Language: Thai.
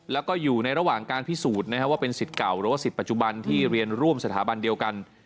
แล้วก็อยู่ในระหว่างการพิสูจน์นะครับว่าเป็นสิทธิ์เก่าหรือว่าสิทธิปัจจุบันที่เรียนร่วมสถาบันเดียวกัน